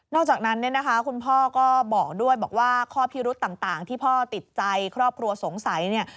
จากนั้นเนี่ยนะคะคุณพ่อก็บอกด้วยบอกว่าข้อพิรุษต่างที่พ่อติดใจครอบครัวสงสัยเนี่ย